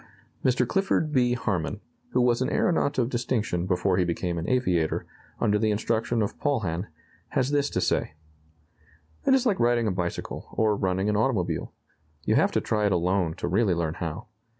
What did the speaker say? Mr. Clifford B. Harmon, who was an aeronaut of distinction before he became an aviator, under the instruction of Paulhan, has this to say: "It is like riding a bicycle, or running an automobile. You have to try it alone to really learn how.